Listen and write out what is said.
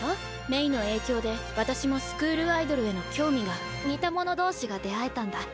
メイの影響で私もスクールアイドルへの興味が似た者同士が出会えたんだ。